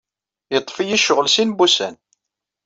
Yeḍḍef-iyi ccɣel sin wussan.